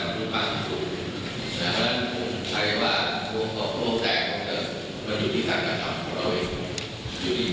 ผมก็ถามคือคือกำลังใจผมก็ถามคือผมเอง